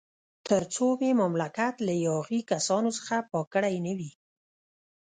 تر څو مې مملکت له یاغي کسانو څخه پاک کړی نه وي.